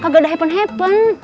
kagak ada happen happen